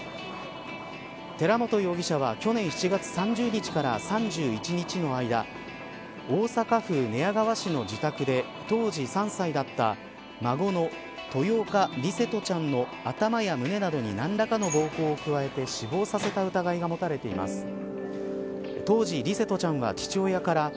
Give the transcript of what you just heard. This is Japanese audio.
寺本容疑者は去年７月３０日から３１日の間大阪府寝屋川市の自宅で当時３歳だった孫の豊岡琉聖翔ちゃんの頭や胸などに何らかの暴行を加えて死亡させた疑いが持たれています。